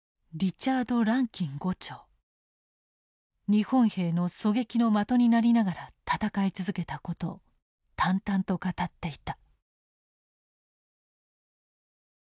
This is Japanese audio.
日本兵の狙撃の的になりながら戦い続けたことを淡々と語っていた。